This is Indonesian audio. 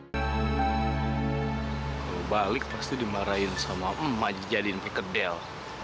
kalo balik pasti dimarahin sama emak jadiin pekedel